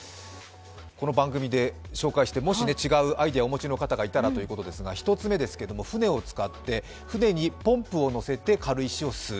この番組で紹介して、もし違うアイデアをお持ちの方がいたらということですが１つ目ですけれども、船を使って船にポンプを載せて軽石を吸う。